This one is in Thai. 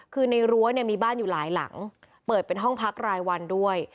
คือในรั้วเนี่ยมีบ้านอยู่หลายหลังเปิดเป็นห้องพักรายวันด้วย